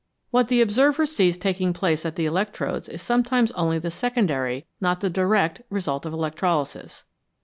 What the observer sees taking place at the electrodes is sometimes only the secondary, not the direct, result of electrolysis.